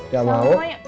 sama mama yuk